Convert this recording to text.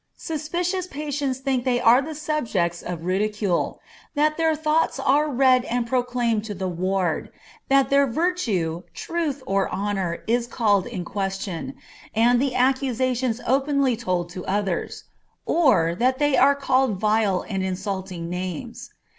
Suspicious patients often think they are the subjects of ridicule; that their thoughts are read and proclaimed to the ward; that their virtue, truth, or honor is called in question, and the accusations openly told to others, or that they are called vile and insulting names.